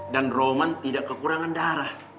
dan roman tidak kekurangan darahnya